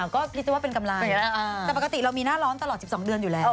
ก็คิดได้ว่าเป็นกำไรแต่ปกติเรามีหน้าร้อนตลอด๑๒เดือนอยู่แล้ว